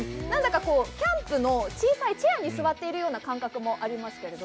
キャンプの小さいチェアに座っているような感覚がありますけど。